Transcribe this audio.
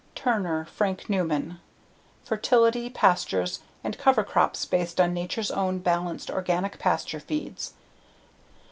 Turner, Frank Newman. _Fertility, Pastures and Cover Crops Based on Nature's Own Balanced Organic Pasture Feeds.